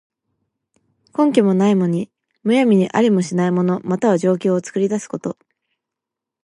根拠もないのに、むやみにありもしない物、または情況を作り出すこと。